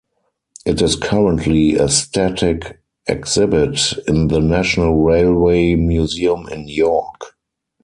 It is currently a static exhibit in the National Railway Museum in York.